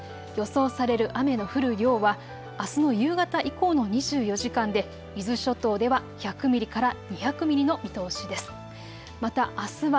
予想される雨の降る量はあすの夕方以降の２４時間で伊豆諸島では１００ミリから２００ミリの見通しです。